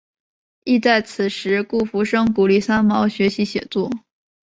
亦在此时顾福生鼓励三毛学习写作。